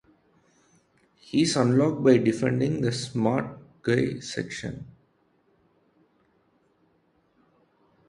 He is unlocked by defeating the 'Smart Guys' section.